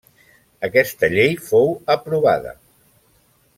Aquesta llei fou aprovada.